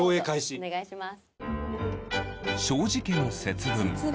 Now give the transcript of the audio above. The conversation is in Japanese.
お願いします。